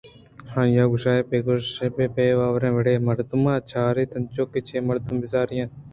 آئی ءَگوٛشئے پہ شکو ءُبے باوریں وڑے ءَ مردم ءَ چاراِت انچوکہ چہ مردم ءَ بیزاری اِنت